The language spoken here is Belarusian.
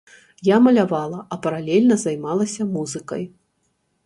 Я малявала, а паралельна займалася музыкай.